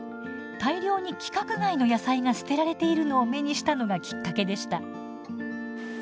大量に規格外の野菜が捨てられているのを目にしたのがきっかけでした。